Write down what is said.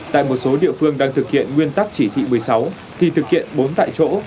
tại một số địa phương đang thực hiện nguyên tắc chỉ thị một mươi sáu thì thực hiện bốn tại chỗ